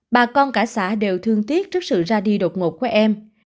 bà con cả xã đều thương tiếc trước sự ra đi đột ngột của em